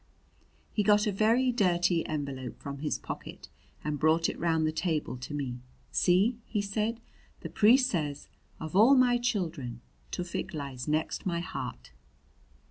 He got a very dirty envelope from his pocket and brought it round the table to me. "See!" he said. "The priest says: 'Of all my children Tufik lies next my heart.'"